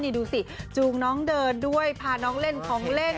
นี่ดูสิจูงน้องเดินด้วยพาน้องเล่นของเล่น